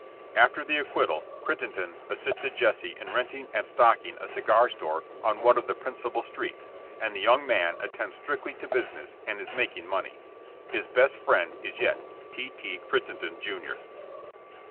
After the acquittal, Crittenden assisted Jesse in renting and stocking a cigar store on one of the principal streets, and the young man attends strictly to business and is making money. His best friend is yet T. T. Crittenden, jr.''